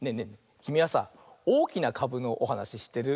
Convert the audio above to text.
きみはさ「おおきなかぶ」のおはなししってる？